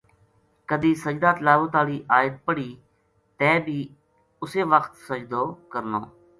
کدے سجدہ تلاوت آلی ایت پڑھی تے بھی اسے وخت سجدو کرنو۔